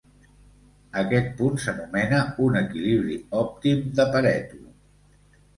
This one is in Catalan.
Aquest punt s'anomena un equilibri òptim de Pareto.